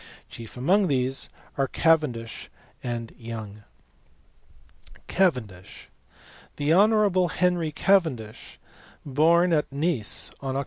Chief among these are Cavendish and Young. Cavendish*. The honourable Henry Cavendish was born at Nice 011 Oct.